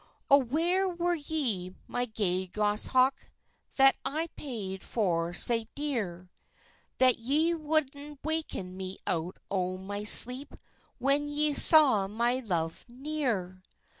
"O where were ye, my gay goss hawk That I paid for sae dear, That ye woudna waken me out o' my sleep When ye saw my love near?"